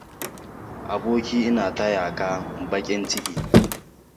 Aboki, ina taya ka bakin ciki.